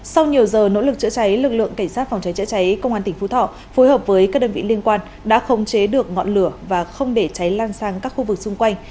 sau nhiều giờ nỗ lực chữa cháy lực lượng cảnh sát phòng cháy chữa cháy công an tỉnh phú thọ phối hợp với các đơn vị liên quan đã khống chế được ngọn lửa và không để cháy lan sang các khu vực xung quanh